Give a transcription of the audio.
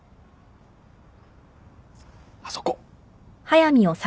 あそこ。